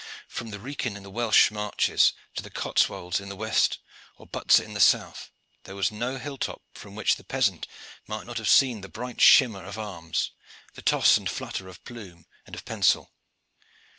From the Wrekin in the Welsh marches to the Cotswolds in the west or Butser in the south, there was no hill top from which the peasant might not have seen the bright shimmer of arms, the toss and flutter of plume and of pensil.